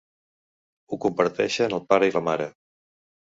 Ho comparteixen el pare i la mare.